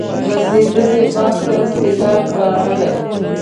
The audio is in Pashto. رسېدلي باغ ته سېلاب راغی.